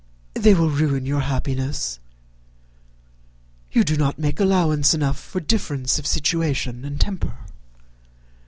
They will ruin your happiness. You do not make allowance enough for difference of situation and temper.